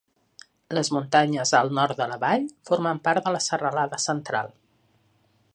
Les muntanyes al nord de la vall formen part de la Serralada Central.